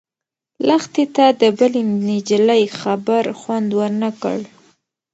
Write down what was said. لښتې ته د بلې نجلۍ خبر خوند ورنه کړ.